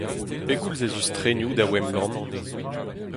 Pegoulz ez eus trenioù da Wengamp ?